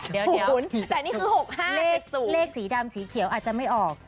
๖๔๗๐แต่นี่คือ๖๕๗๐เลขสีดำสีเขียวอาจจะไม่ออก